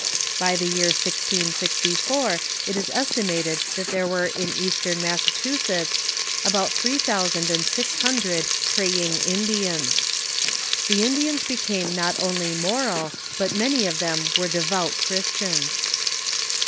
By the MISSIONS TO THE INDIANS 477 year 16G4 it is estimated that there were in eastern Massachu setts about three thousand and six hundred " praying Indians." The Indians became not only moral, but many of them were devout Christians.